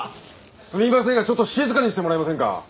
すみませんがちょっと静かにしてもらえませんか？